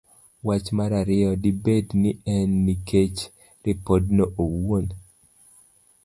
Wach mar Ariyo. Dibed ni en nikech ripodno owuon?